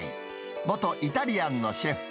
元イタリアンのシェフ。